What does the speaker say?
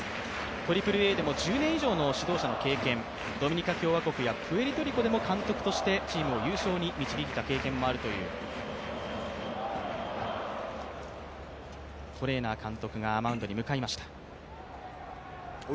ＡＡＡでも１０年以上の指導者の経験、ドミニカ共和国やプエルトリコでもチームを優勝に導いた経験もあるというトレーナー監督がマウンドに向かいました。